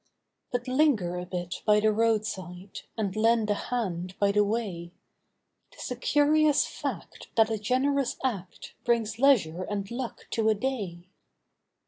But linger a bit by the roadside, And lend a hand by the way, 'Tis a curious fact that a generous act Brings leisure and luck to a day.